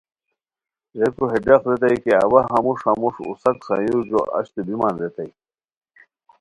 ریکو ہے ڈاق ریتائے کی اوا ہموݰ ہموݰ اوساک سایورجو اچتو بیمان ریتائے